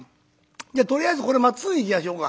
じゃとりあえずこれまっつぐ行きましょうか」。